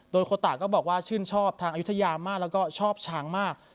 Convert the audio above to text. โดยโคตะก็บอกว่าชื่นชอบทางอายุทยามากแล้วก็ชอบช้างมาก